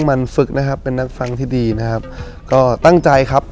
มันฝึกนะครับเป็นนักฟังที่ดีนะครับก็ตั้งใจครับ